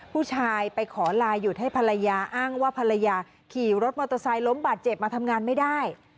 ผู้ชายไปขอลายุดให้ภรรยาอ้างว่าภรรยาขี่รถมอเตอร์ไซค์ล้มบาดเจ็บมาทำงานไม่ได้